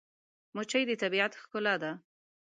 مچمچۍ د طبیعت ښکلا ده